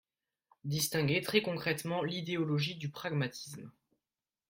distinguer très concrètement l’idéologie du pragmatisme.